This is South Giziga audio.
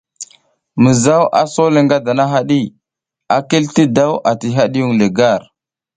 Mizaw a sole ngadana haɗi, a kil ti daw ati hadiyung le gar.